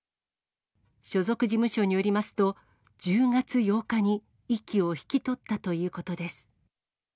所属事務所によりますと、１０月８日に息を引き取ったということです。